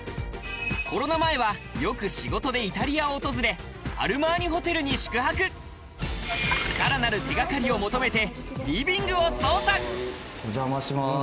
コロナ前はよく仕事でイタリアを訪れアルマーニホテルに宿泊さらなる手掛かりを求めてお邪魔します。